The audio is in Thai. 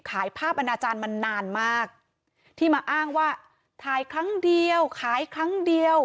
ภาพอนาจารย์มานานมากที่มาอ้างว่าถ่ายครั้งเดียวขายครั้งเดียว